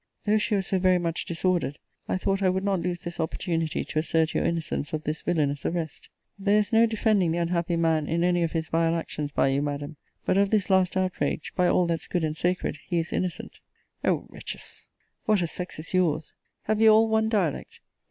Though she was so very much disordered, I thought I would not lose this opportunity to assert your innocence of this villanous arrest. There is no defending the unhappy man in any of his vile actions by you, Madam; but of this last outrage, by all that's good and sacred, he is innocent. O wretches; what a sex is your's! Have you all one dialect?